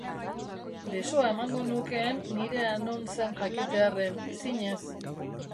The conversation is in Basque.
Besoa emango nukeen nirea non zen jakitearren, zinez.